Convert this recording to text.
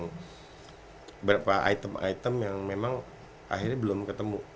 ada beberapa item item yang memang akhirnya belum ketemu